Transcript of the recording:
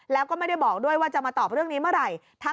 แล้วก็ไม่ได้บอกด้วยว่าจะมาตอบเรื่องนี้เมื่อไหร่